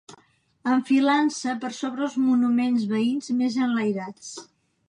Enfilant-se per sobre els monuments veïns més enlairats